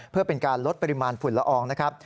เพื่อเป็นการลดปริมาณฝุ่นละอองนะครับ